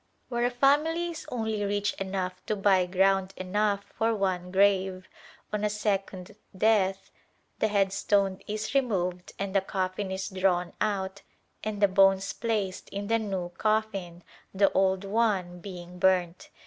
Where a family is only rich enough to buy ground enough for one grave, on a second death the headstone is removed and the coffin is drawn out and the bones placed in the new coffin, the old one being burnt.